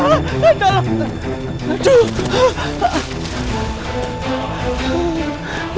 mudah mudahan gak ketahuan